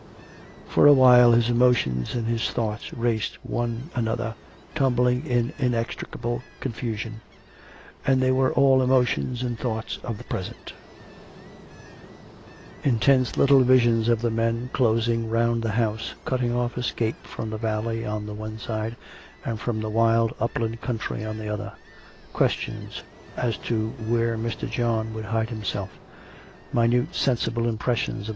For a while his emotions and his thoughts raced one another, tumbling in inextricable confusion ; and they were all emotions and thoughts of the present: intense little visions of the men closing round the house, cutting off escape from the valley on the one side and from the wild upland country on the other; questions as to where Mr. John would hide himself; minute sensible impressions of 394 COME RACK! COME ROPE!